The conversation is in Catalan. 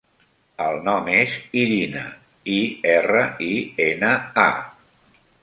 El nom és Irina: i, erra, i, ena, a.